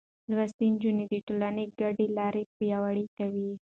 لوستې نجونې د ټولنې ګډې لارې پياوړې کوي.